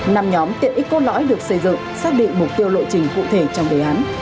năm nhóm tiện ích cốt lõi được xây dựng xác định mục tiêu lộ trình cụ thể trong đề án